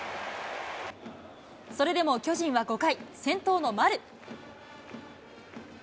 それでも巨人は５回、先頭の丸。